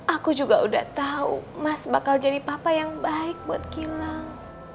aku juga udah tahu mas bakal jadi papa yang baik buat kilang